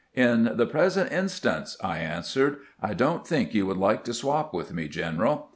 " In the present instance," I answered, " I don't think you would like to swap with me, general."